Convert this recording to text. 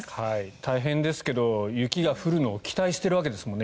大変ですけど雪が降るのを期待しているわけですもんね